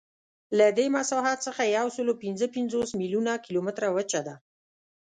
له دې مساحت څخه یوسلاوپینځهپنځوس میلیونه کیلومتره وچه ده.